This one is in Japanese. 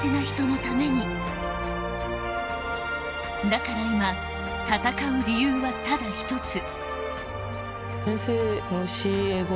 だから今、戦う理由はただ一つ。